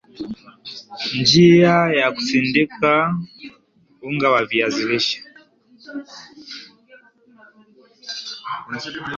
Njiaya kusindika unga wa viazi lish